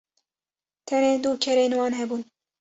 tenê du kerên wan hebûn